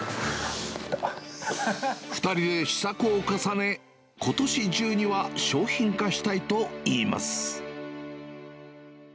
２人で試作を重ね、ことし中には商品化したいといいます。